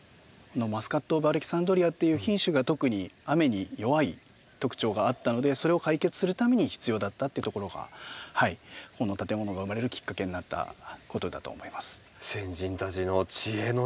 マスカットオブアレキサンドリアっていう品種が特に雨に弱い特徴があったのでそれを解決するために必要だったっていうところがこの建物が生まれるきっかけになったことだと思います。